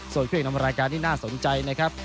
ส่วนคู่เอกนำรายการที่น่าสนใจนะครับ